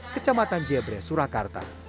kecamatan jebre surakarta